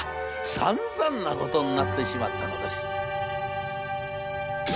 さんざんなことになってしまったのです」。